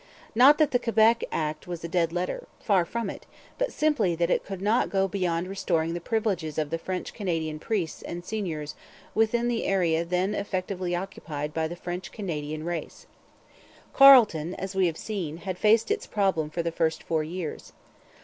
Not that the Quebec Act was a dead letter far from it but simply that it could not go beyond restoring the privileges of the French Canadian priests and seigneurs within the area then effectively occupied by the French Canadian race. Carleton, as we have seen, had faced its problem for the first four years.